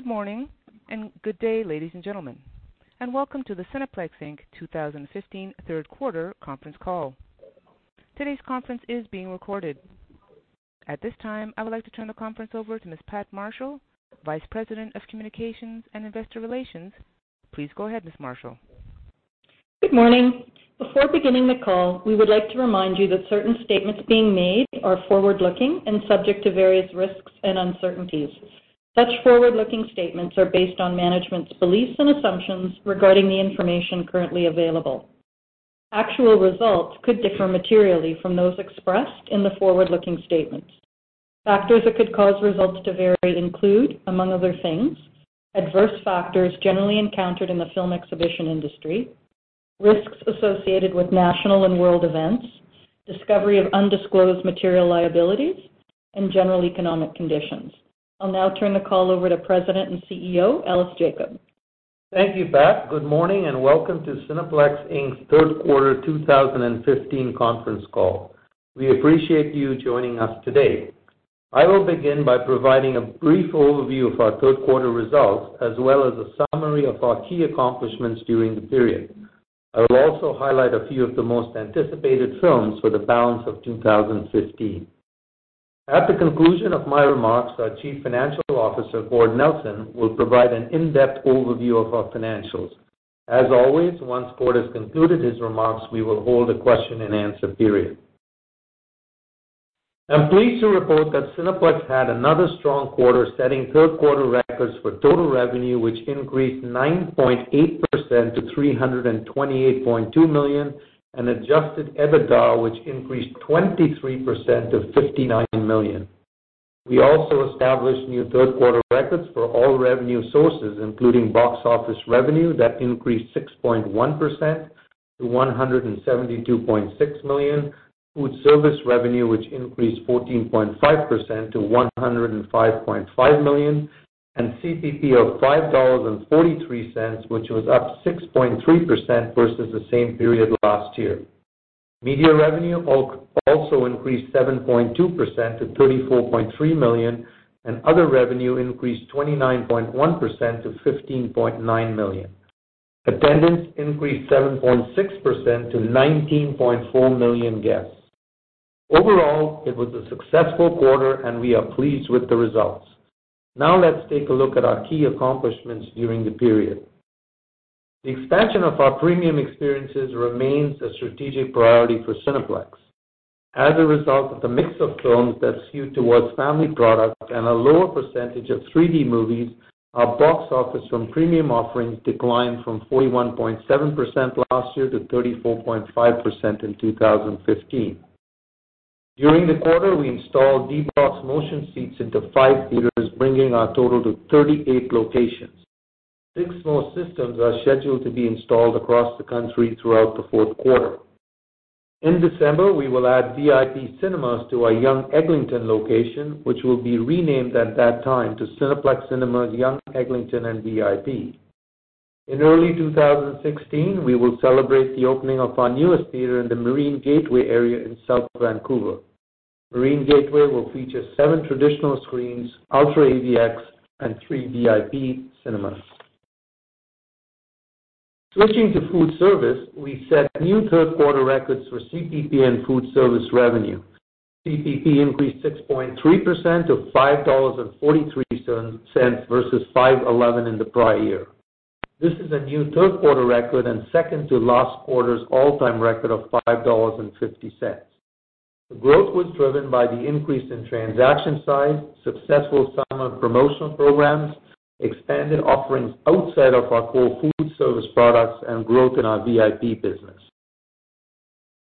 Good morning and good day, ladies and gentlemen, welcome to the Cineplex Inc. 2015 third quarter conference call. Today's conference is being recorded. At this time, I would like to turn the conference over to Ms. Pat Marshall, Vice President of Communications and Investor Relations. Please go ahead, Ms. Marshall. Good morning. Before beginning the call, we would like to remind you that certain statements being made are forward-looking and subject to various risks and uncertainties. Such forward-looking statements are based on management's beliefs and assumptions regarding the information currently available. Actual results could differ materially from those expressed in the forward-looking statements. Factors that could cause results to vary include, among other things, adverse factors generally encountered in the film exhibition industry, risks associated with national and world events, discovery of undisclosed material liabilities, and general economic conditions. I'll now turn the call over to President and CEO, Ellis Jacob. Thank you, Pat. Good morning. Welcome to Cineplex Inc.'s third quarter 2015 conference call. We appreciate you joining us today. I will begin by providing a brief overview of our third quarter results, as well as a summary of our key accomplishments during the period. I will also highlight a few of the most anticipated films for the balance of 2015. At the conclusion of my remarks, our Chief Financial Officer, Gord Nelson, will provide an in-depth overview of our financials. Always, once Gord has concluded his remarks, we will hold a question-and-answer period. I'm pleased to report that Cineplex had another strong quarter setting third quarter records for total revenue, which increased 9.8% to 328.2 million, and adjusted EBITDA, which increased 23% to 59 million. We also established new third-quarter records for all revenue sources, including box office revenue that increased 6.1% to 172.6 million, food service revenue, which increased 14.5% to 105.5 million, and CPP of 5.43 dollars, which was up 6.3% versus the same period last year. Media revenue also increased 7.2% to 34.3 million. Other revenue increased 29.1% to 15.9 million. Attendance increased 7.6% to 19.4 million guests. Overall, it was a successful quarter. We are pleased with the results. Let's take a look at our key accomplishments during the period. The expansion of our premium experiences remains a strategic priority for Cineplex. As a result of the mix of films that skewed towards family products and a lower percentage of 3D movies, our box office from premium offerings declined from 41.7% last year to 34.5% in 2015. During the quarter, we installed D-BOX motion seats into five theaters, bringing our total to 38 locations. Six more systems are scheduled to be installed across the country throughout the fourth quarter. In December, we will add VIP Cinemas to our Yonge-Eglinton location, which will be renamed at that time to Cineplex Cinemas Yonge-Eglinton and VIP. In early 2016, we will celebrate the opening of our newest theater in the Marine Gateway area in South Vancouver. Marine Gateway will feature seven traditional screens, UltraAVX, and three VIP cinemas. Switching to food service, we set new third-quarter records for CPP and food service revenue. CPP increased 6.3% to 5.43 versus 5.11 in the prior year. This is a new third-quarter record and second to last quarter's all-time record of 5.50 dollars. The growth was driven by the increase in transaction size, successful summer promotional programs, expanded offerings outside of our core food service products, and growth in our VIP business.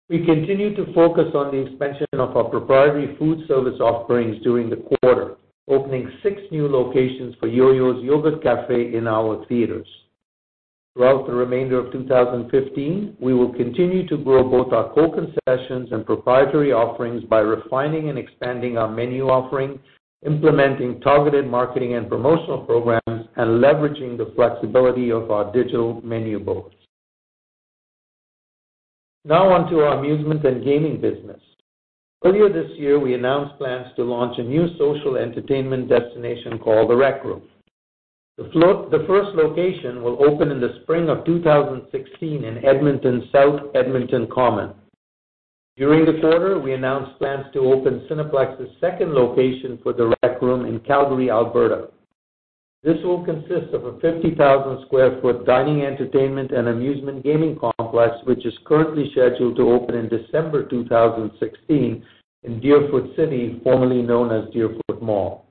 We continued to focus on the expansion of our proprietary food service offerings during the quarter, opening six new locations for YoYo's Yogurt Cafe in our theaters. Throughout the remainder of 2015, we will continue to grow both our core concessions and proprietary offerings by refining and expanding our menu offerings, implementing targeted marketing and promotional programs, and leveraging the flexibility of our digital menu boards. Now on to our amusement and gaming business. Earlier this year, we announced plans to launch a new social entertainment destination called The Rec Room. The first location will open in the spring of 2016 in Edmonton South Edmonton Common. During the quarter, we announced plans to open Cineplex's second location for The Rec Room in Calgary, Alberta. This will consist of a 50,000-square-foot dining, entertainment, and amusement gaming complex, which is currently scheduled to open in December 2016 in Deerfoot City, formerly known as Deerfoot Mall.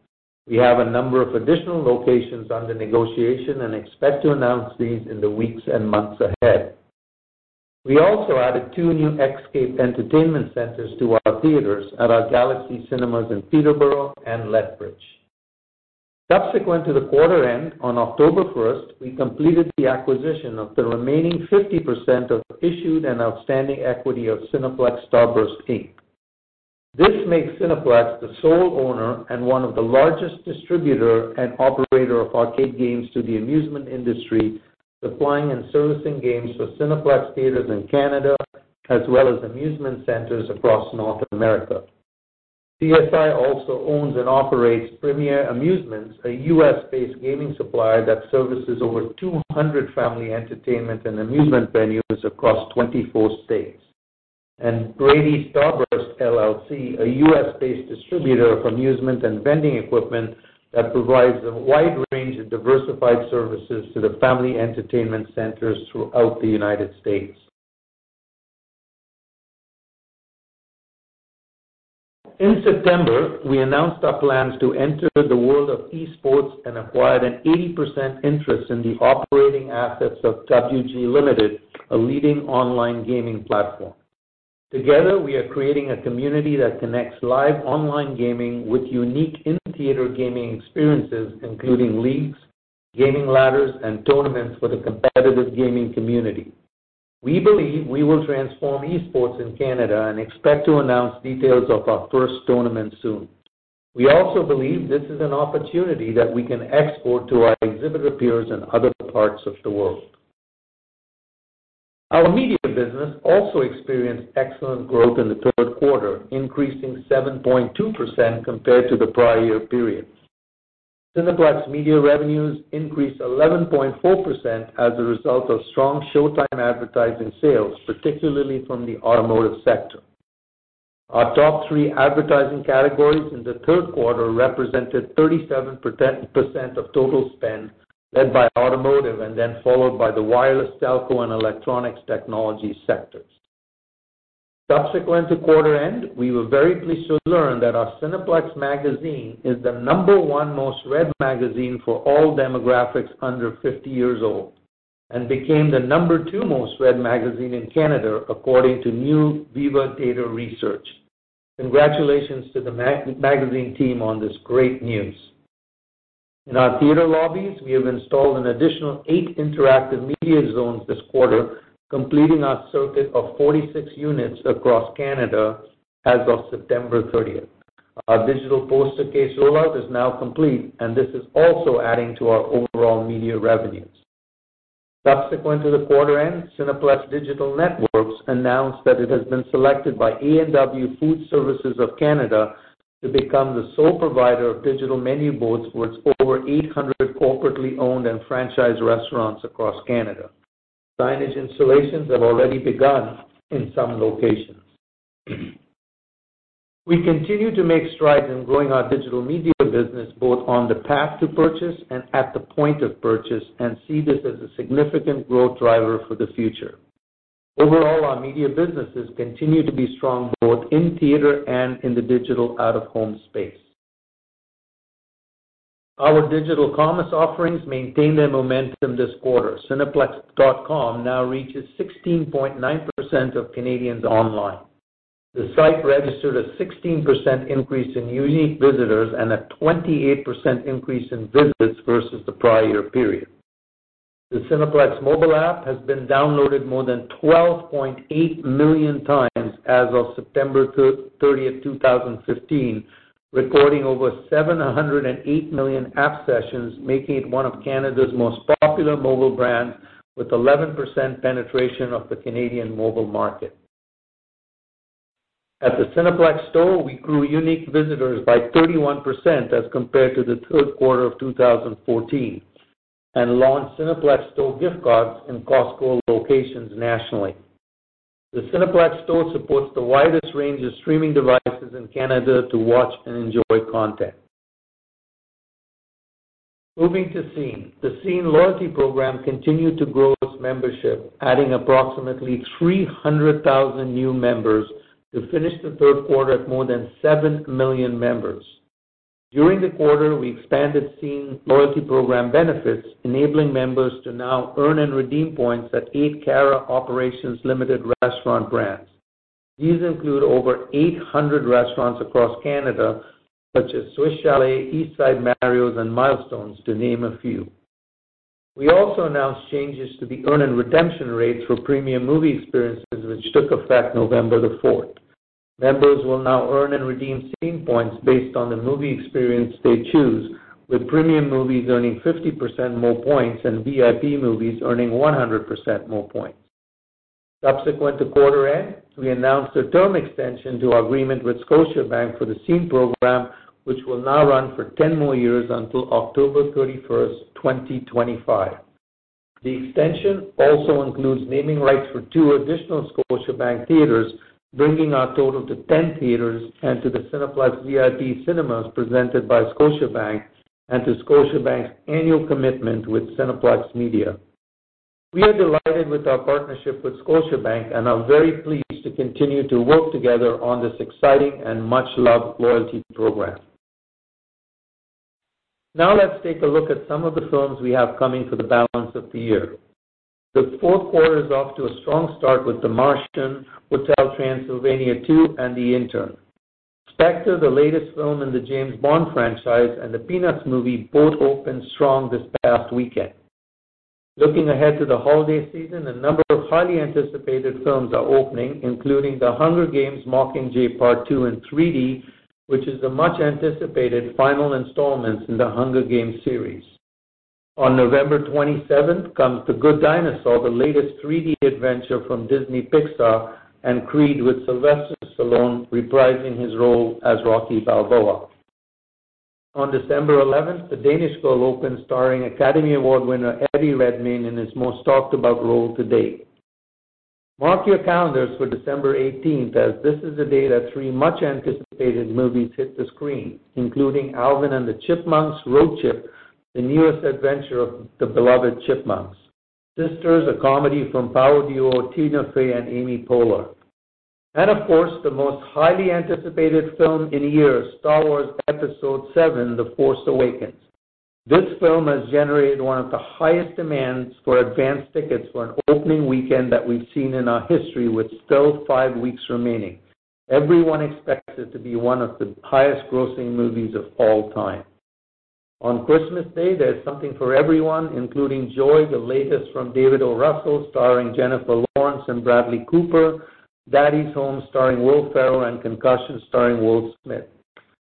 We have a number of additional locations under negotiation and expect to announce these in the weeks and months ahead. We also added two new Xscape entertainment centers to our theaters at our Galaxy Cinemas in Peterborough and Lethbridge. Subsequent to the quarter end on October 1st, we completed the acquisition of the remaining 50% of issued and outstanding equity of Cineplex Starburst Inc. This makes Cineplex the sole owner and one of the largest distributor and operator of arcade games to the amusement industry, supplying and servicing games for Cineplex theaters in Canada as well as amusement centers across North America. CSI also owns and operates Premier Amusements, a U.S.-based gaming supplier that services over 200 family entertainment and amusement venues across 24 states. Brady Starburst LLC, a U.S.-based distributor of amusement and vending equipment that provides a wide range of diversified services to the family entertainment centers throughout the United States. In September, we announced our plans to enter the world of esports and acquired an 80% interest in the operating assets of WG Limited, a leading online gaming platform. Together, we are creating a community that connects live online gaming with unique in-theater gaming experiences, including leagues, gaming ladders, and tournaments for the competitive gaming community. We believe we will transform esports in Canada and expect to announce details of our first tournament soon. We also believe this is an opportunity that we can export to our exhibitor peers in other parts of the world. Our media business also experienced excellent growth in the third quarter, increasing 7.2% compared to the prior year period. Cineplex Media revenues increased 11.4% as a result of strong showtime advertising sales, particularly from the automotive sector. Our top three advertising categories in the third quarter represented 37% of total spend, led by automotive and then followed by the wireless telco and electronics technology sectors. Subsequent to quarter end, we were very pleased to learn that our Cineplex Magazine is the number one most-read magazine for all demographics under 50 years old and became the number two most-read magazine in Canada, according to new Vividata Research. Congratulations to the magazine team on this great news. In our theater lobbies, we have installed an additional eight interactive media zones this quarter, completing our circuit of 46 units across Canada as of September 30th. Our digital poster case rollout is now complete. This is also adding to our overall media revenues. Subsequent to the quarter end, Cineplex Digital Media announced that it has been selected by A&W Food Services of Canada to become the sole provider of digital menu boards for its over 800 corporately owned and franchised restaurants across Canada. Signage installations have already begun in some locations. We continue to make strides in growing our digital media business, both on the path to purchase and at the point of purchase, and see this as a significant growth driver for the future. Overall, our media businesses continue to be strong both in theater and in the digital out-of-home space. Our digital commerce offerings maintained their momentum this quarter. cineplex.com now reaches 16.9% of Canadians online. The site registered a 16% increase in unique visitors and a 28% increase in visits versus the prior year period. The Cineplex mobile app has been downloaded more than 12.8 million times as of September 30th, 2015, recording over 708 million app sessions, making it one of Canada's most popular mobile brands with 11% penetration of the Canadian mobile market. At the Cineplex Store, we grew unique visitors by 31% as compared to the third quarter of 2014 and launched Cineplex Store gift cards in Costco locations nationally. The Cineplex Store supports the widest range of streaming devices in Canada to watch and enjoy content. Moving to Scene. The Scene loyalty program continued to grow its membership, adding approximately 300,000 new members to finish the third quarter at more than seven million members. During the quarter, we expanded Scene loyalty program benefits, enabling members to now earn and redeem points at eight Cara Operations Limited restaurant brands. These include over 800 restaurants across Canada, such as Swiss Chalet, East Side Mario's, and Milestones, to name a few. We also announced changes to the earn and redemption rates for premium movie experiences, which took effect November the 4th. Members will now earn and redeem Scene points based on the movie experience they choose, with premium movies earning 50% more points and VIP movies earning 100% more points. Subsequent to quarter end, we announced a term extension to our agreement with Scotiabank for the Scene program, which will now run for 10 more years until October 31st, 2025. The extension also includes naming rights for two additional Scotiabank theaters, bringing our total to 10 theaters and to the Cineplex VIP Cinemas presented by Scotiabank and to Scotiabank's annual commitment with Cineplex Media. We are delighted with our partnership with Scotiabank and are very pleased to continue to work together on this exciting and much-loved loyalty program. Let's take a look at some of the films we have coming for the balance of the year. The fourth quarter is off to a strong start with "The Martian", "Hotel Transylvania 2", and "The Intern". "Spectre", the latest film in the James Bond franchise, and "The Peanuts Movie" both opened strong this past weekend. Looking ahead to the holiday season, a number of highly anticipated films are opening, including "The Hunger Games: Mockingjay – Part 2" in 3D, which is the much-anticipated final installment in The Hunger Games series. On November 27th comes "The Good Dinosaur", the latest 3D adventure from Disney•Pixar, and "Creed" with Sylvester Stallone reprising his role as Rocky Balboa. On December 11th, "The Danish Girl" opens, starring Academy Award winner Eddie Redmayne in his most talked about role to date. Mark your calendars for December 18th, as this is the day that three much-anticipated movies hit the screen, including "Alvin and the Chipmunks: The Road Chip", the newest adventure of the beloved Chipmunks. "Sisters", a comedy from power duo Tina Fey and Amy Poehler. Of course, the most highly anticipated film in years, "Star Wars: Episode VII: The Force Awakens". This film has generated one of the highest demands for advanced tickets for an opening weekend that we've seen in our history with still five weeks remaining. Everyone expects it to be one of the highest grossing movies of all time. On Christmas Day, there's something for everyone, including "Joy", the latest from David O. Russell, starring Jennifer Lawrence and Bradley Cooper, "Daddy's Home" starring Will Ferrell, and "Concussion" starring Will Smith.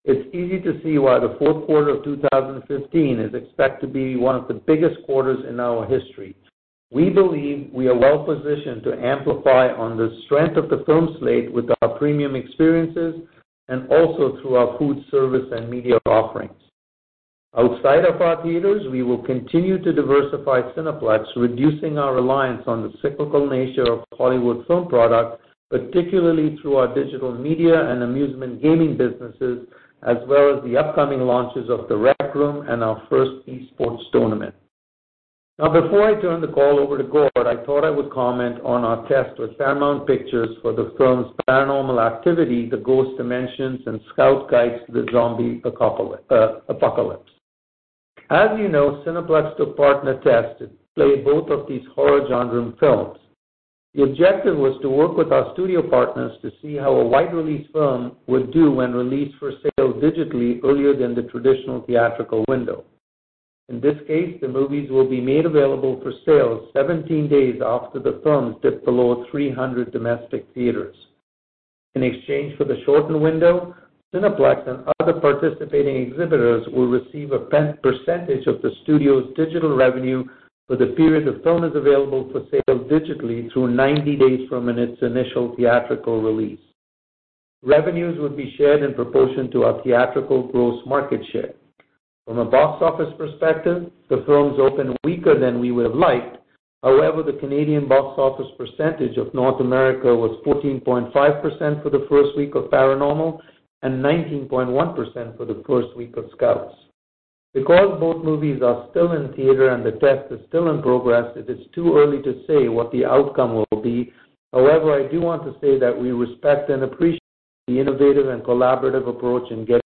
It's easy to see why the fourth quarter of 2015 is expected to be one of the biggest quarters in our history. We believe we are well-positioned to amplify on the strength of the film slate with our premium experiences and also through our food service and media offerings. Outside of our theaters, we will continue to diversify Cineplex, reducing our reliance on the cyclical nature of Hollywood film product, particularly through our digital media and amusement gaming businesses, as well as the upcoming launches of The Rec Room and our first Esports tournament. Before I turn the call over to Gord, I thought I would comment on our test with Paramount Pictures for the films "Paranormal Activity: The Ghost Dimension" and "Scouts Guide to the Zombie Apocalypse". As you know, Cineplex did test and played both of these horror-genre films. The objective was to work with our studio partners to see how a wide-release film would do when released for sale digitally earlier than the traditional theatrical window. In this case, the movies will be made available for sale 17 days after the films dip below 300 domestic theaters. In exchange for the shortened window, Cineplex and other participating exhibitors will receive a percentage of the studio's digital revenue for the period the film is available for sale digitally through 90 days from its initial theatrical release. Revenues would be shared in proportion to our theatrical gross market share. From a box office perspective, the films opened weaker than we would've liked. However, the Canadian box office percentage of North America was 14.5% for the first week of "Paranormal" and 19.1% for the first week of "Scouts". Because both movies are still in theater and the test is still in progress, it is too early to say what the outcome will be. However, I do want to say that we respect and appreciate the innovative and collaborative approach. Also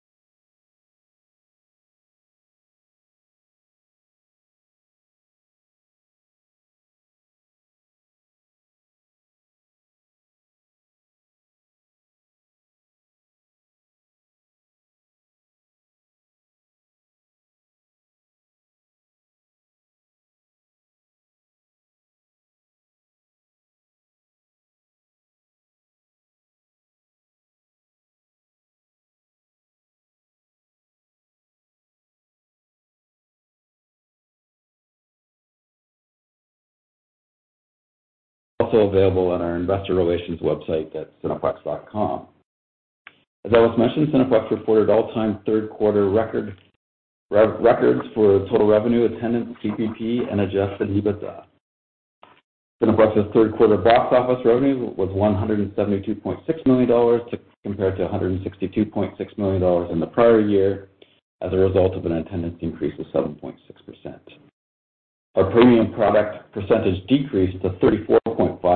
available on our investor relations website at cineplex.com. As Ellis mentioned, Cineplex reported all-time third quarter records for total revenue, attendance, CPP, and adjusted EBITDA. Cineplex's third quarter box office revenue was 172.6 million dollars compared to 162.6 million dollars in the prior year as a result of an attendance increase of 7.6%. Our premium product percentage decreased to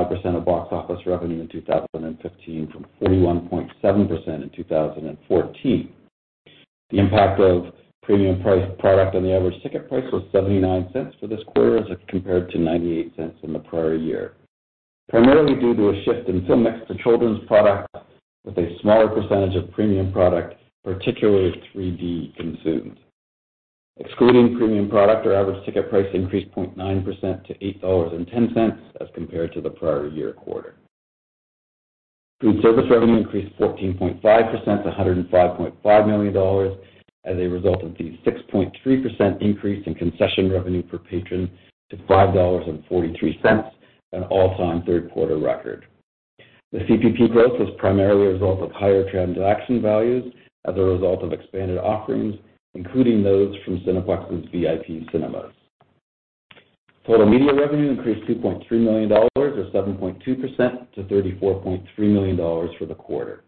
34.5% of box office revenue in 2015 from 41.7% in 2014. The impact of premium-priced product on the average ticket price was 0.79 for this quarter as compared to 0.98 in the prior year. Primarily due to a shift in film mix to children's product with a smaller percentage of premium product, particularly 3D, consumed. Excluding premium product, our average ticket price increased 0.9% to 8.10 dollars as compared to the prior year quarter. Food service revenue increased 14.5% to 105.5 million dollars as a result of the 6.3% increase in concession revenue per patron to 5.43 dollars, an all-time third-quarter record. The CPP growth was primarily a result of higher transaction values as a result of expanded offerings, including those from Cineplex VIP Cinemas. Total media revenue increased 2.3 million dollars or 7.2% to 34.3 million dollars for the quarter.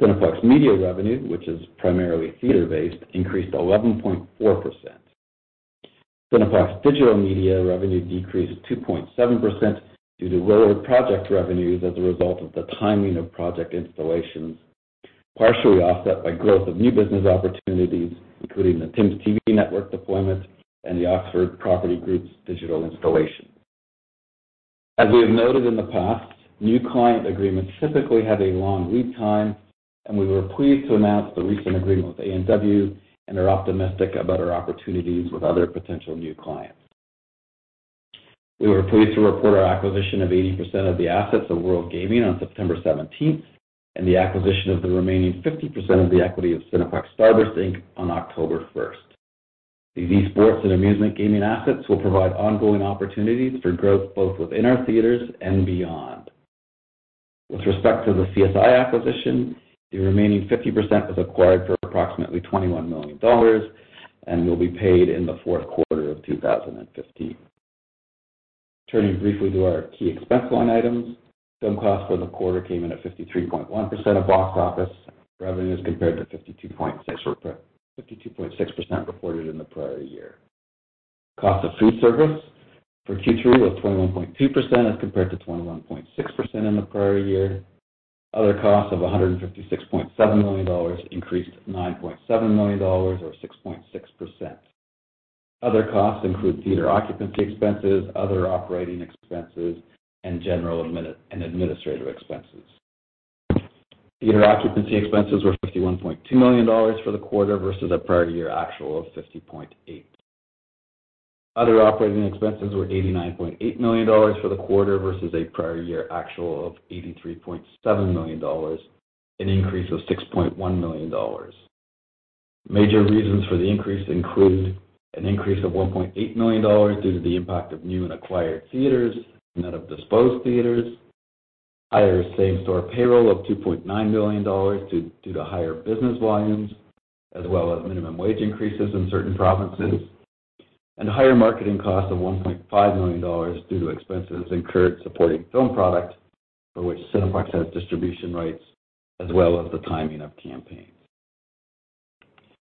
Cineplex Media revenue, which is primarily theater-based, increased 11.4%. Cineplex Digital Media revenue decreased 2.7% due to lower project revenues as a result of the timing of project installations, partially offset by growth of new business opportunities, including the TimsTV network deployment and the Oxford Properties Group's digital installation. As we have noted in the past, new client agreements typically have a long lead time, and we were pleased to announce the recent agreement with A&W and are optimistic about our opportunities with other potential new clients. We were pleased to report our acquisition of 80% of the assets of WorldGaming on September 17th, and the acquisition of the remaining 50% of the equity of Cineplex Starburst Inc. on October 1st. These e-sports and amusement gaming assets will provide ongoing opportunities for growth both within our theaters and beyond. With respect to the CSI acquisition, the remaining 50% was acquired for approximately 21 million dollars and will be paid in the fourth quarter of 2015. Turning briefly to our key expense line items. Film cost for the quarter came in at 53.1% of box office revenues, compared to 52.6% reported in the prior year. Cost of food service for Q3 was 21.2% as compared to 21.6% in the prior year. Other costs of 156.7 million dollars increased 9.7 million dollars or 6.6%. Other costs include theater occupancy expenses, other operating expenses, and general and administrative expenses. Theater occupancy expenses were 51.2 million dollars for the quarter versus a prior year actual of 50.8 million. Other operating expenses were 89.8 million dollars for the quarter versus a prior year actual of 83.7 million dollars, an increase of 6.1 million dollars. Major reasons for the increase include an increase of 1.8 million dollars due to the impact of new and acquired theaters and that of disposed theaters, higher same-store payroll of 2.9 million dollars due to higher business volumes, as well as minimum wage increases in certain provinces, and higher marketing costs of 1.5 million dollars due to expenses incurred supporting film product for which Cineplex has distribution rights, as well as the timing of campaigns.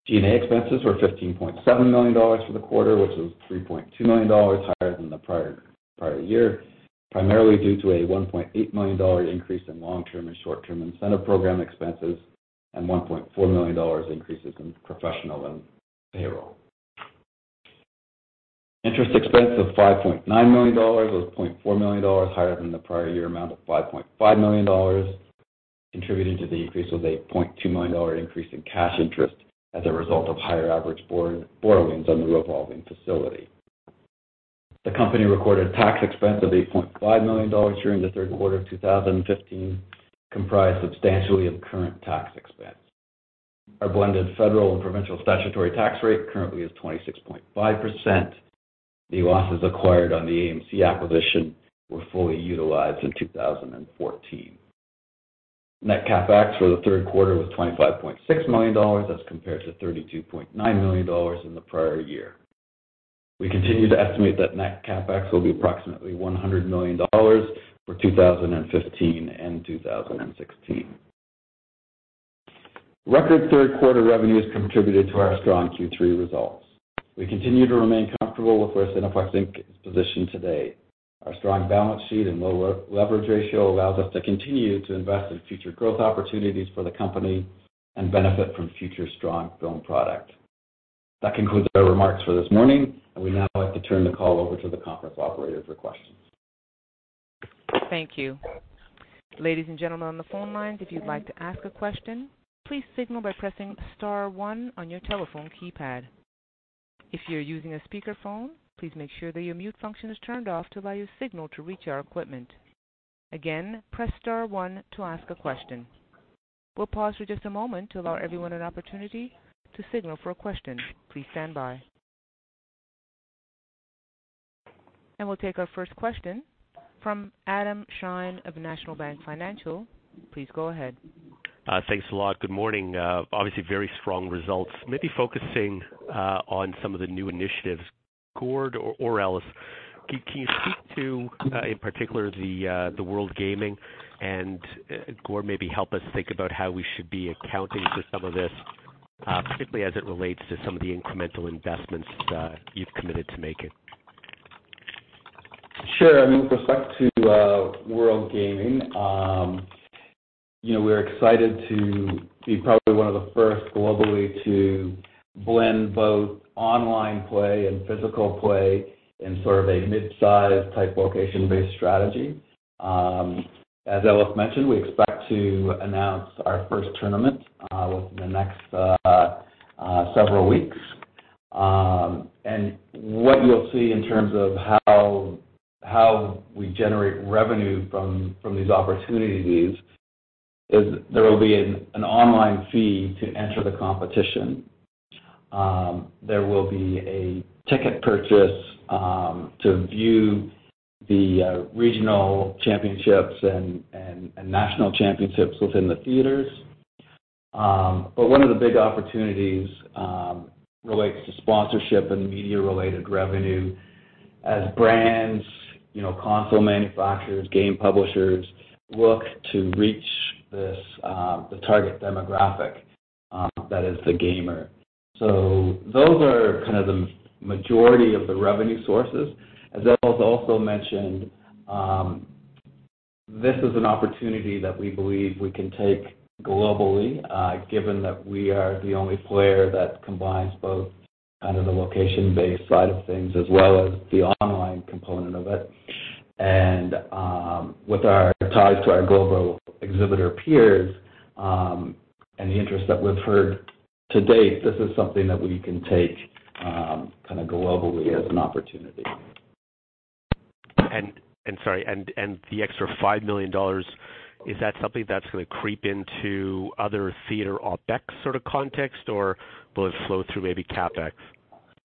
G&A expenses were 15.7 million dollars for the quarter, which is 3.2 million dollars higher than the prior year. Primarily due to a 1.8 million dollar increase in long-term and short-term incentive program expenses and 1.4 million dollars increases in professional and payroll. Interest expense of 5.9 million dollars was 0.4 million dollars higher than the prior year amount of 5.5 million dollars. Contributing to the increase was a 0.2 million dollar increase in cash interest as a result of higher average borrowings on the revolving facility. The company recorded tax expense of 8.5 million dollars during the third quarter of 2015, comprised substantially of current tax expense. Our blended federal and provincial statutory tax rate currently is 26.5%. The losses acquired on the AMC acquisition were fully utilized in 2014. Net CapEx for the third quarter was 25.6 million dollars as compared to 32.9 million dollars in the prior year. We continue to estimate that Net CapEx will be approximately 100 million dollars for 2015 and 2016. Record third quarter revenues contributed to our strong Q3 results. We continue to remain comfortable with where Cineplex Inc. is positioned today. Our strong balance sheet and low leverage ratio allows us to continue to invest in future growth opportunities for the company and benefit from future strong film product. That concludes our remarks for this morning, we now like to turn the call over to the conference operator for questions. Thank you. Ladies and gentlemen on the phone lines, if you'd like to ask a question, please signal by pressing star one on your telephone keypad. If you're using a speakerphone, please make sure that your mute function is turned off to allow your signal to reach our equipment. Again, press star one to ask a question. We'll pause for just a moment to allow everyone an opportunity to signal for a question. Please stand by. We'll take our first question from Adam Shine of National Bank Financial. Please go ahead. Thanks a lot. Good morning. Obviously very strong results. Maybe focusing on some of the new initiatives, Gord or Ellis, can you speak to, in particular, the WorldGaming and Gord, maybe help us think about how we should be accounting for some of this, particularly as it relates to some of the incremental investments that you've committed to making. Sure. I mean, with respect to WorldGaming, we're excited to be probably one of the first globally to blend both online play and physical play in sort of a mid-size type location-based strategy. As Ellis mentioned, we expect to announce our first tournament within the next several weeks. What you'll see in terms of how we generate revenue from these opportunities is there will be an online fee to enter the competition. There will be a ticket purchase to view the regional championships and national championships within the theaters. One of the big opportunities relates to sponsorship and media-related revenue as brands, console manufacturers, game publishers look to reach the target demographic that is the gamer. Those are kind of the majority of the revenue sources. As Ellis also mentioned, this is an opportunity that we believe we can take globally, given that we are the only player that combines both kind of the location-based side of things as well as the online component of it. With our ties to our global exhibitor peers, and the interest that we've heard to date, this is something that we can take globally as an opportunity. Sorry, the extra 5 million dollars, is that something that's going to creep into other theater OpEx sort of context, or will it flow through maybe CapEx?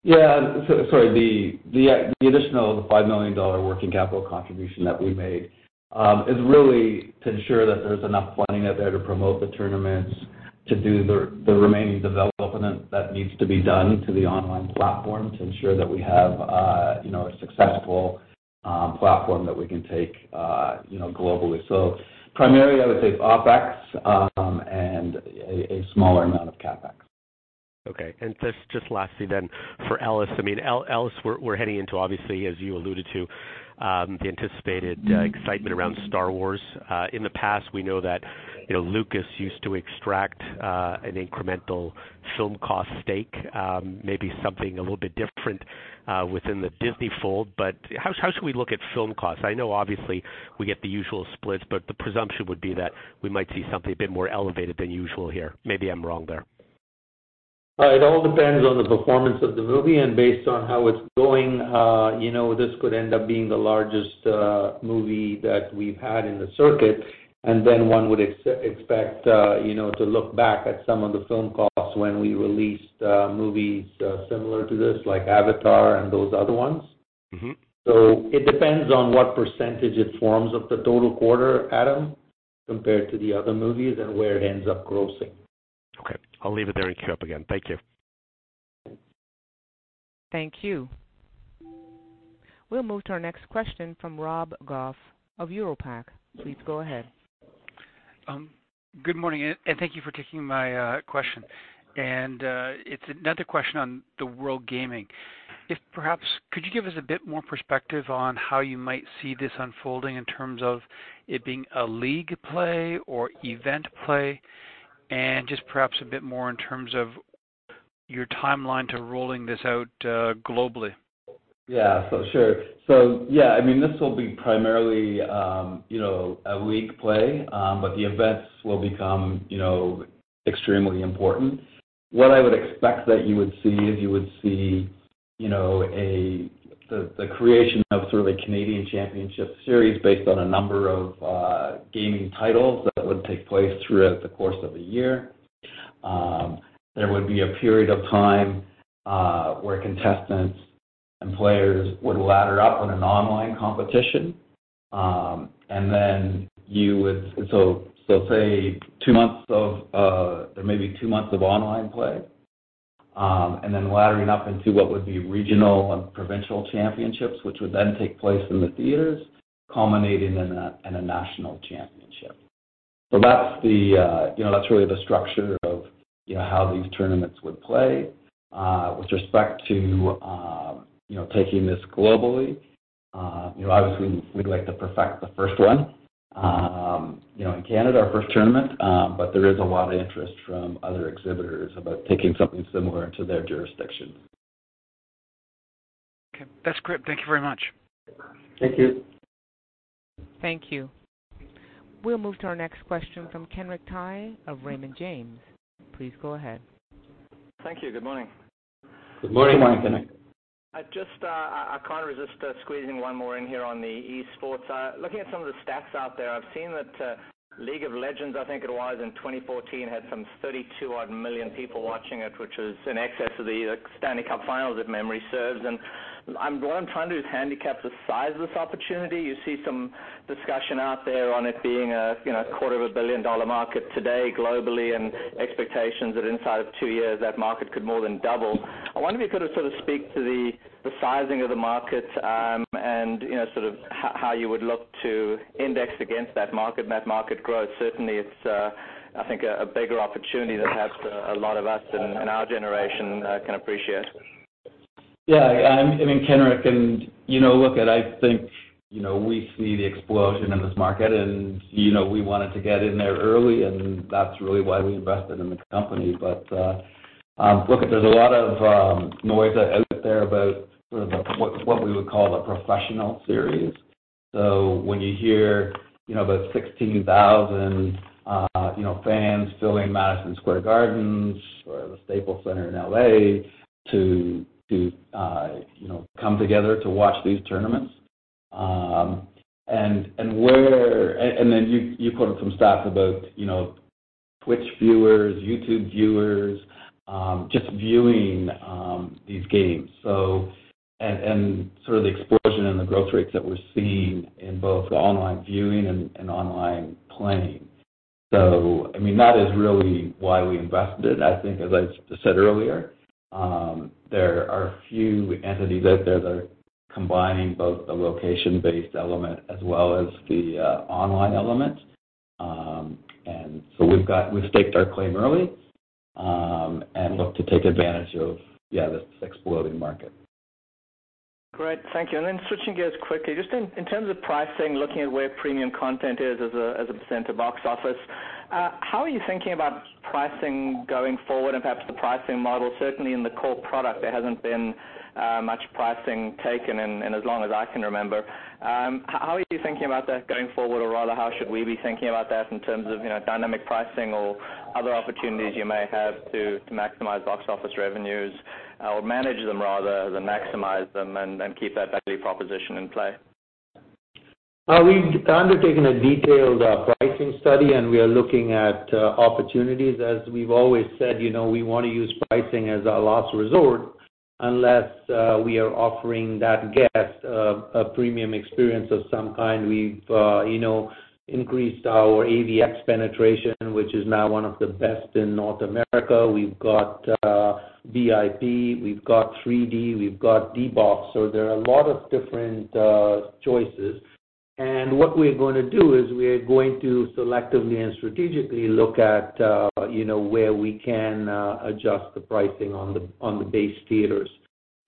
Sorry, the additional 5 million dollar working capital contribution that we made is really to ensure that there's enough funding out there to promote the tournaments, to do the remaining development that needs to be done to the online platform to ensure that we have a successful platform that we can take globally. Primarily, I would say OpEx, and a smaller amount of CapEx. Lastly for Ellis. Ellis, we're heading into, obviously, as you alluded to, the anticipated excitement around "Star Wars." In the past, we know that Lucasfilm used to extract an incremental film cost stake. Maybe something a little bit different within the Disney fold, but how should we look at film costs? I know obviously we get the usual splits, but the presumption would be that we might see something a bit more elevated than usual here. Maybe I'm wrong there. It all depends on the performance of the movie, based on how it's going, this could end up being the largest movie that we've had in the circuit. Then one would expect to look back at some of the film costs when we released movies similar to this, like "Avatar" and those other ones. It depends on what % it forms of the total quarter, Adam, compared to the other movies and where it ends up grossing. Okay. I'll leave it there and queue up again. Thank you. Thank you. We'll move to our next question from Rob Goff of Europac. Please go ahead. Good morning. Thank you for taking my question. It's another question on the WorldGaming. If perhaps, could you give us a bit more perspective on how you might see this unfolding in terms of it being a league play or event play, and just perhaps a bit more in terms of your timeline to rolling this out globally? Yeah. Sure. This will be primarily a league play, but the events will become extremely important. What I would expect that you would see is the creation of a Canadian championship series based on a number of gaming titles that would take place throughout the course of a year. There would be a period of time where contestants and players would ladder up in an online competition. Say there may be two months of online play, and then laddering up into what would be regional and provincial championships, which would then take place in the theaters, culminating in a national championship. That's really the structure of how these tournaments would play. With respect to taking this globally, obviously we'd like to perfect the first one in Canada, our first tournament. There is a lot of interest from other exhibitors about taking something similar to their jurisdiction. Okay. That's great. Thank you very much. Thank you. Thank you. We'll move to our next question from Kenric Tyghe of Raymond James. Please go ahead. Thank you. Good morning. Good morning, Kenric. I can't resist squeezing one more in here on the esports. Looking at some of the stats out there, I've seen that "League of Legends," I think it was in 2014, had some 32 million people watching it, which is in excess of the Stanley Cup finals, if memory serves. What I'm trying to do is handicap the size of this opportunity. You see some discussion out there on it being a quarter of a billion-dollar market today globally, and expectations that inside of two years, that market could more than double. I wonder if you could sort of speak to the sizing of the market and sort of how you would look to index against that market and that market growth. Certainly it's, I think, a bigger opportunity than perhaps a lot of us in our generation can appreciate. I mean, Kenric, look, I think we see the explosion in this market, we wanted to get in there early, that's really why we invested in the company. Look, there's a lot of noise out there about sort of what we would call the professional series. When you hear about 16,000 fans filling Madison Square Garden or the Staples Center in L.A. to come together to watch these tournaments. You quoted some stats about Twitch viewers, YouTube viewers, just viewing these games, and sort of the explosion in the growth rates that we're seeing in both the online viewing and online playing. That is really why we invested. I think, as I said earlier, there are few entities out there that are combining both the location-based element as well as the online element. We've staked our claim early, and look to take advantage of this exploding market. Great. Thank you. Switching gears quickly, just in terms of pricing, looking at where premium content is as a % of box office. How are you thinking about pricing going forward and perhaps the pricing model? Certainly, in the core product, there hasn't been much pricing taken in as long as I can remember. How are you thinking about that going forward, or rather, how should we be thinking about that in terms of dynamic pricing or other opportunities you may have to maximize box office revenues? Manage them rather than maximize them and then keep that value proposition in play. We've undertaken a detailed pricing study, we are looking at opportunities. As we've always said, we want to use pricing as our last resort unless we are offering that guest a premium experience of some kind. We've increased our UltraAVX penetration, which is now one of the best in North America. We've got VIP, we've got 3D, we've got D-BOX. There are a lot of different choices. What we're going to do is we're going to selectively and strategically look at where we can adjust the pricing on the base theaters.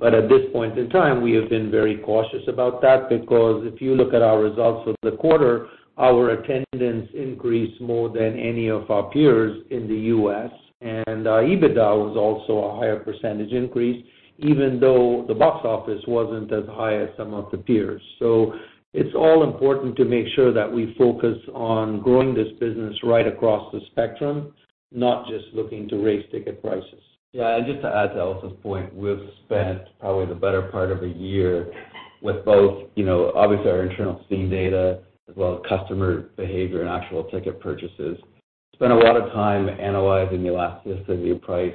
At this point in time, we have been very cautious about that because if you look at our results for the quarter, our attendance increased more than any of our peers in the U.S. Our EBITDA was also a higher % increase, even though the box office wasn't as high as some of the peers. It's all important to make sure that we focus on growing this business right across the spectrum, not just looking to raise ticket prices. Just to add to Ellis' point, we've spent probably the better part of a year with both obviously our internal Scene data as well as customer behavior and actual ticket purchases. Spent a lot of time analyzing the elasticity of price,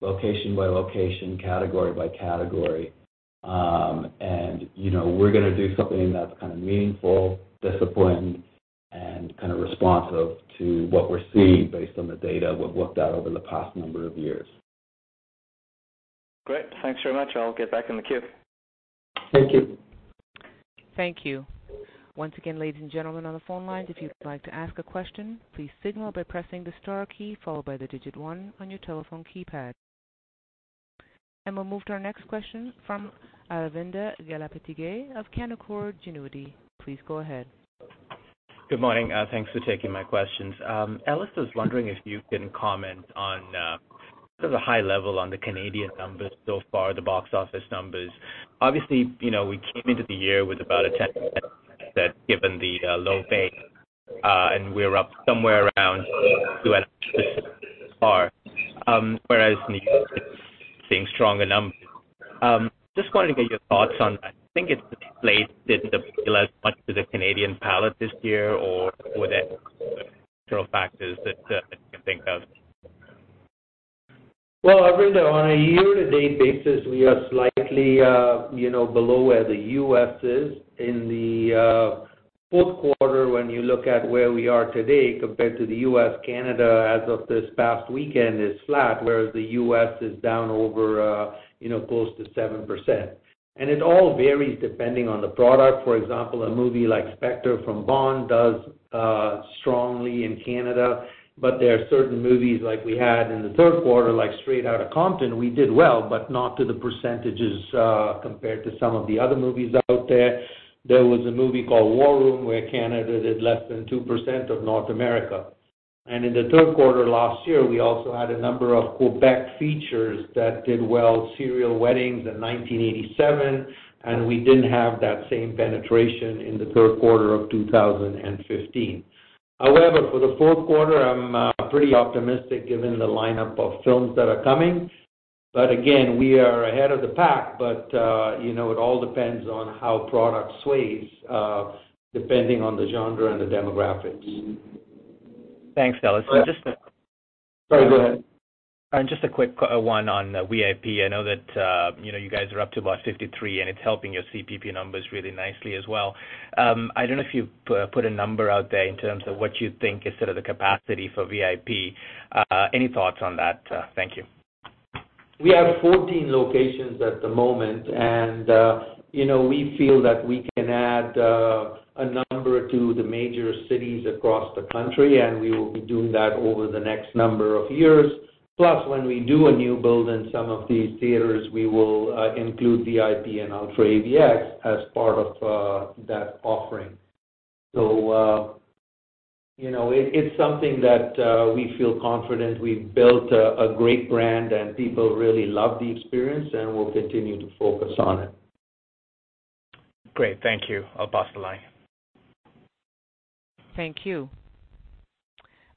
location by location, category by category. We're going to do something that's kind of meaningful, disciplined, and kind of responsive to what we're seeing based on the data we've worked out over the past number of years. Great. Thanks very much. I'll get back in the queue. Thank you. Thank you. Once again, ladies and gentlemen on the phone lines, if you'd like to ask a question, please signal by pressing the star key followed by the digit one on your telephone keypad. We'll move to our next question from Aravinda Galappatthige of Canaccord Genuity. Please go ahead. Good morning. Thanks for taking my questions. Ellis, I was wondering if you can comment on sort of the high level on the Canadian numbers so far, the box office numbers. Obviously, we came into the year with about a 10% given the low base, and we're up somewhere around two and a half so far. Whereas in the U.S. it's seeing stronger numbers. Just wanted to get your thoughts on that. I think it's displayed didn't appeal as much to the Canadian palette this year, or were there external factors that you can think of? Well, Aravinda, on a year-to-date basis, we are slightly below where the U.S. is. In the fourth quarter when you look at where we are today compared to the U.S., Canada as of this past weekend is flat, whereas the U.S. is down over close to 7%. It all varies depending on the product. For example, a movie like Spectre from Bond does strongly in Canada, but there are certain movies like we had in the third quarter, like Straight Outta Compton. We did well, but not to the percentages compared to some of the other movies out there. There was a movie called War Room where Canada did less than 2% of North America. In the third quarter last year, we also had a number of Quebec features that did well, Serial Weddings and 1987, and we didn't have that same penetration in the third quarter of 2015. However, for the fourth quarter, I'm pretty optimistic given the lineup of films that are coming. Again, we are ahead of the pack, but it all depends on how product sways depending on the genre and the demographics. Thanks, Ellis. Sorry, go ahead. Just a quick one on VIP. I know that you guys are up to about 53, and it's helping your CPP numbers really nicely as well. I don't know if you put a number out there in terms of what you think is sort of the capacity for VIP. Any thoughts on that? Thank you. We have 14 locations at the moment, and we feel that we can add a number to the major cities across the country, and we will be doing that over the next number of years. Plus, when we do a new build in some of these theaters, we will include VIP and UltraAVX as part of that offering. It's something that we feel confident. We've built a great brand, and people really love the experience, and we'll continue to focus on it. Great. Thank you. I'll pass the line. Thank you.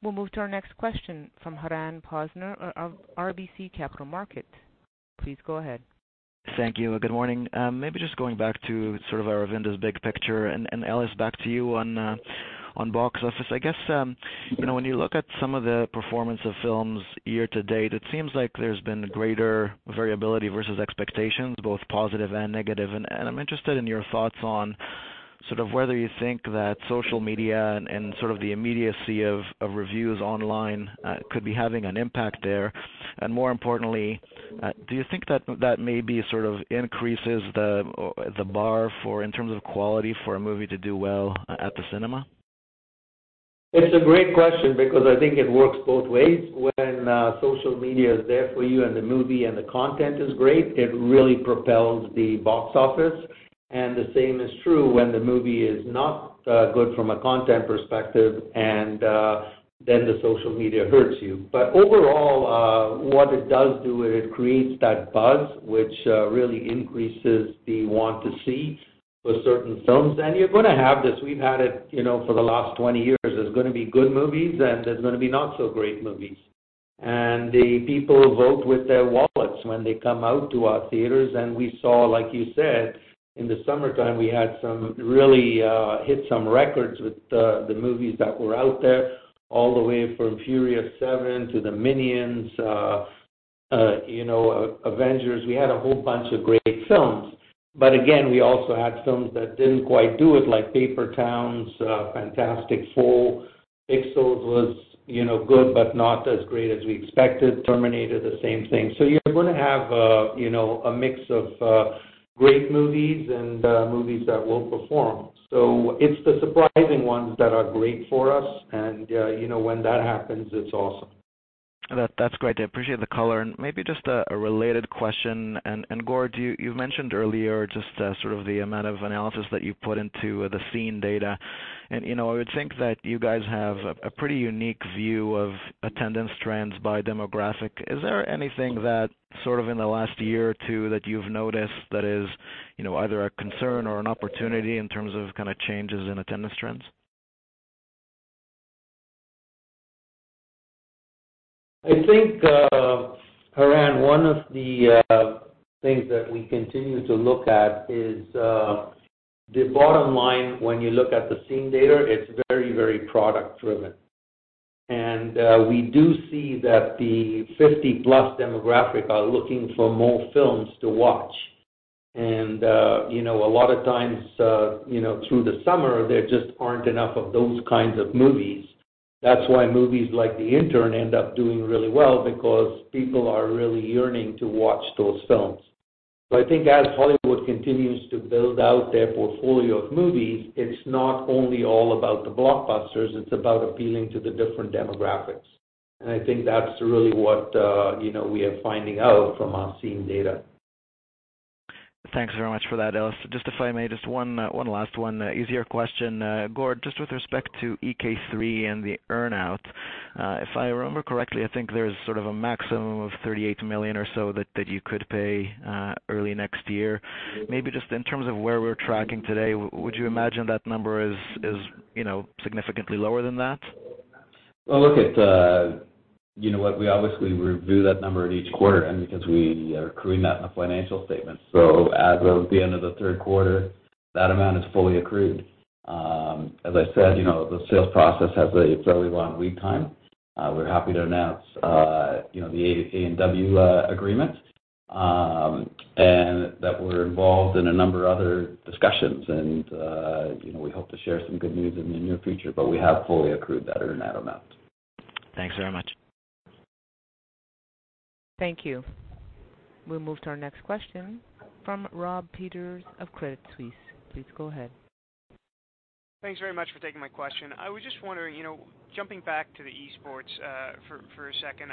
We'll move to our next question from Haran Posner of RBC Capital Markets. Please go ahead. Thank you, and good morning. Maybe just going back to sort of Aravinda's big picture, and Ellis, back to you on box office. I guess when you look at some of the performance of films year to date, it seems like there's been greater variability versus expectations, both positive and negative. I'm interested in your thoughts on sort of whether you think that social media and sort of the immediacy of reviews online could be having an impact there. More importantly, do you think that that maybe sort of increases the bar for in terms of quality for a movie to do well at the cinema? It's a great question because I think it works both ways. When social media is there for you and the movie and the content is great, it really propels the box office. The same is true when the movie is not good from a content perspective, then the social media hurts you. Overall, what it does do is it creates that buzz, which really increases the want to see for certain films. You're going to have this, we've had it for the last 20 years. There's going to be good movies and there's going to be not-so-great movies. The people vote with their wallets when they come out to our theaters. We saw, like you said, in the summertime, we really hit some records with the movies that were out there, all the way from "Furious 7" to "The Minions," "Avengers." We had a whole bunch of great films. Again, we also had films that didn't quite do it, like "Paper Towns," "Fantastic Four." "Pixels" was good, but not as great as we expected. "Terminator," the same thing. You're going to have a mix of great movies and movies that won't perform. It's the surprising ones that are great for us, and when that happens, it's awesome. That's great. I appreciate the color. Maybe just a related question. Gord, you've mentioned earlier just the amount of analysis that you put into the Scene data. I would think that you guys have a pretty unique view of attendance trends by demographic. Is there anything that in the last year or two that you've noticed that is either a concern or an opportunity in terms of changes in attendance trends? I think, Haran, one of the things that we continue to look at is the bottom line. When you look at the Scene data, it's very product-driven. We do see that the 50-plus demographic are looking for more films to watch. A lot of times through the summer, there just aren't enough of those kinds of movies. That's why movies like "The Intern" end up doing really well, because people are really yearning to watch those films. I think as Hollywood continues to build out their portfolio of movies, it's not only all about the blockbusters, it's about appealing to the different demographics. I think that's really what we are finding out from our Scene data. Thanks very much for that, Ellis. Just if I may, just one last one easier question. Gord, just with respect to EK3 and the earnout. If I remember correctly, I think there's sort of a maximum of 38 million or so that you could pay early next year. Maybe just in terms of where we're tracking today, would you imagine that number is significantly lower than that? Well, look, we obviously review that number at each quarter because we are accruing that in the financial statement. As of the end of the third quarter, that amount is fully accrued. As I said, the sales process has a fairly long lead time. We're happy to announce the A&W agreement, and that we're involved in a number of other discussions, and we hope to share some good news in the near future, but we have fully accrued that earnout amount. Thanks very much. Thank you. We'll move to our next question from Rob Peters of Credit Suisse. Please go ahead. Thanks very much for taking my question. I was just wondering, jumping back to the esports for a second.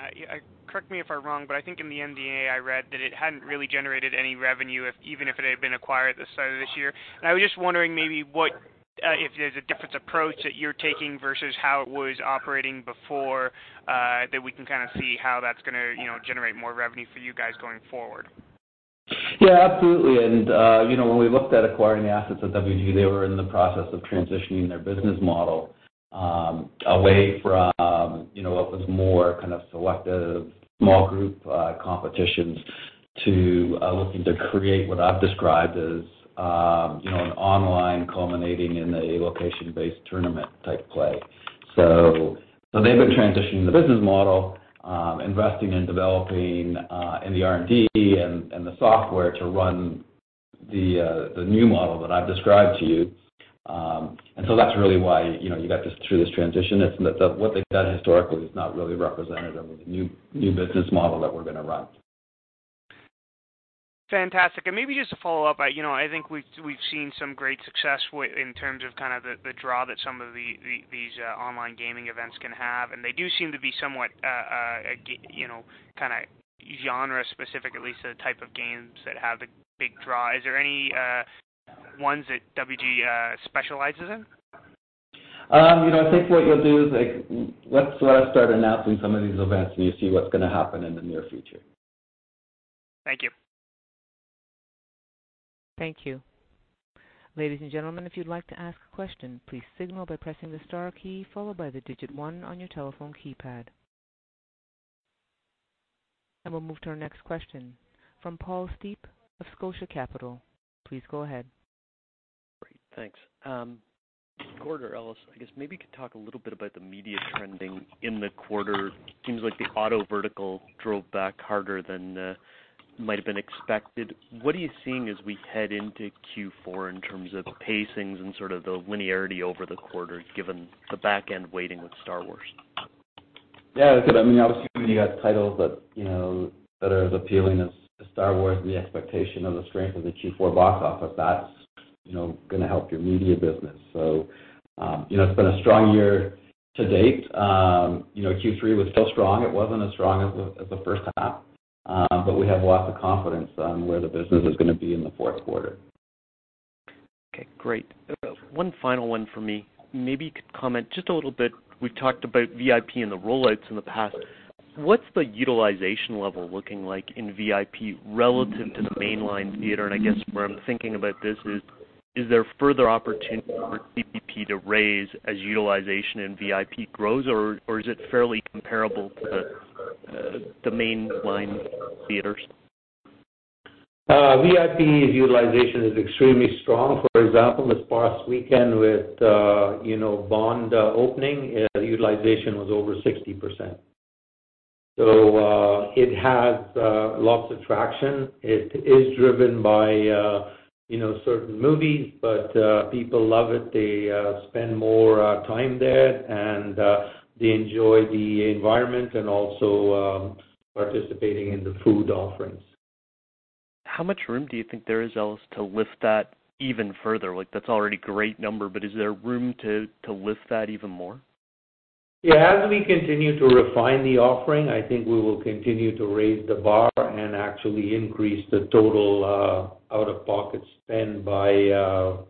Correct me if I'm wrong, but I think in the MD&A, I read that it hadn't really generated any revenue, even if it had been acquired at the start of this year. I was just wondering maybe if there's a different approach that you're taking versus how it was operating before, that we can see how that's going to generate more revenue for you guys going forward. Yeah, absolutely. When we looked at acquiring the assets of WorldGaming, they were in the process of transitioning their business model away from what was more kind of selective small group competitions to looking to create what I've described as an online culminating in a location-based tournament type play. They've been transitioning the business model, investing in developing in the R&D and the software to run the new model that I've described to you. That's really why you got through this transition. What they've done historically is not really representative of the new business model that we're going to run. Fantastic. Maybe just to follow up, I think we've seen some great success in terms of the draw that some of these online gaming events can have, and they do seem to be somewhat genre-specific, at least the type of games that have the big draw. Is there any ones that WorldGaming specializes in? I think what you'll do is let us start announcing some of these events, and you'll see what's going to happen in the near future. Thank you. Thank you. Ladies and gentlemen, if you'd like to ask a question, please signal by pressing the star key followed by the digit one on your telephone keypad. We'll move to our next question from Paul Steep of Scotia Capital. Please go ahead. Great. Thanks. Gord or Ellis, I guess maybe you could talk a little bit about the media trending in the quarter. It seems like the auto vertical drove back harder than might have been expected. What are you seeing as we head into Q4 in terms of pacings and sort of the linearity over the quarter, given the back-end weighting with "Star Wars"? Yeah, that's it. Obviously, when you've got titles that are as appealing as "Star Wars", the expectation of the strength of the Q4 box office, that's going to help your media business. It's been a strong year to date. Q3 was still strong. It wasn't as strong as the first half, but we have lots of confidence on where the business is going to be in the fourth quarter. Okay, great. One final one from me. Maybe you could comment just a little bit, we've talked about VIP and the rollouts in the past. What's the utilization level looking like in VIP relative to the mainline theater? I guess where I'm thinking about this is there further opportunity for CPP to raise as utilization in VIP grows, or is it fairly comparable to the mainline theaters? VIP's utilization is extremely strong. For example, this past weekend with "Bond" opening, utilization was over 60%. It has lots of traction. People love it. They spend more time there, and they enjoy the environment and also participating in the food offerings. How much room do you think there is, Ellis, to lift that even further? That's already a great number, is there room to lift that even more? Yeah. As we continue to refine the offering, I think we will continue to raise the bar and actually increase the total out-of-pocket spend by our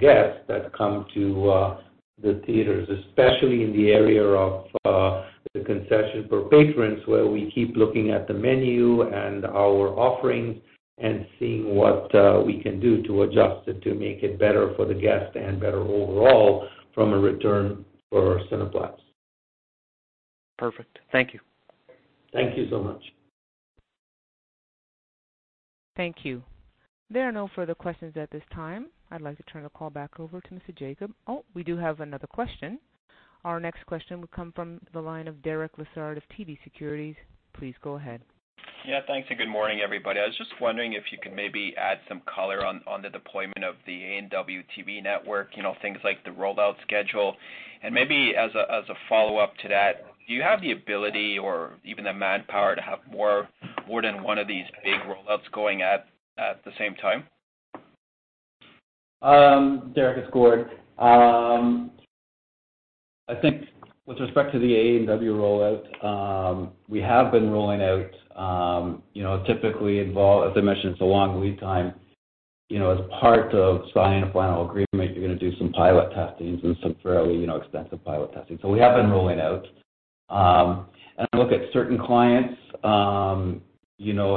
guests that come to the theaters, especially in the area of the concession for patrons, where we keep looking at the menu and our offerings and seeing what we can do to adjust it to make it better for the guest and better overall from a return for Cineplex. Perfect. Thank you. Thank you so much. Thank you. There are no further questions at this time. I'd like to turn the call back over to Mr. Jacob. Oh, we do have another question. Our next question will come from the line of Derek Lessard of TD Securities. Please go ahead. Yeah. Thanks, and good morning, everybody. I was just wondering if you could maybe add some color on the deployment of the A&W TV network, things like the rollout schedule. Maybe as a follow-up to that, do you have the ability or even the manpower to have more than one of these big rollouts going at the same time? Derek, it's Gord. I think with respect to the A&W rollout, we have been rolling out, typically involved, as I mentioned, it's a long lead time. As part of signing a final agreement, you're going to do some pilot testing and some fairly extensive pilot testing. We have been rolling out. I look at certain clients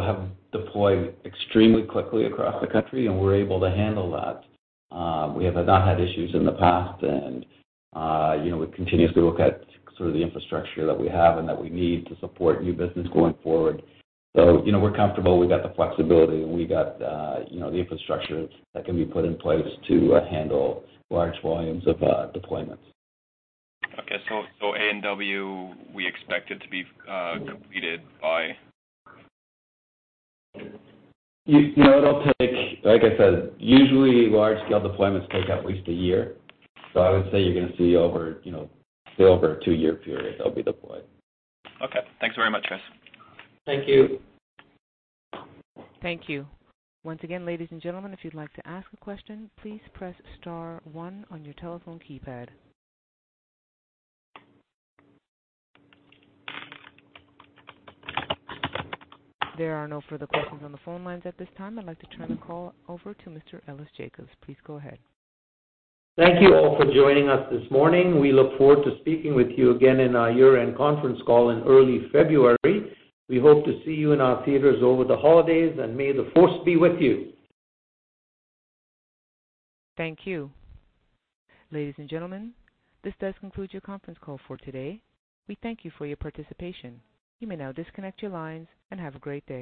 have deployed extremely quickly across the country, and we're able to handle that. We have not had issues in the past, and we continuously look at sort of the infrastructure that we have and that we need to support new business going forward. We're comfortable. We've got the flexibility, and we've got the infrastructure that can be put in place to handle large volumes of deployments. Okay. A&W, we expect it to be completed by It'll take, like I said, usually large-scale deployments take at least a year. I would say you're going to see over a two-year period, that'll be deployed. Okay. Thanks very much, guys. Thank you. Thank you. Once again, ladies and gentlemen, if you'd like to ask a question, please press star one on your telephone keypad. There are no further questions on the phone lines at this time. I'd like to turn the call over to Mr. Ellis Jacob. Please go ahead. Thank you all for joining us this morning. We look forward to speaking with you again in our year-end conference call in early February. We hope to see you in our theaters over the holidays. May the Force be with you. Thank you. Ladies and gentlemen, this does conclude your conference call for today. We thank you for your participation. You may now disconnect your lines. Have a great day.